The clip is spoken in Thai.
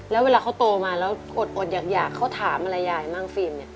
แล้วเวลาเขาโตมาแล้วอดอยากเขาถามอะไรยายมั่งฟิล์มเนี่ย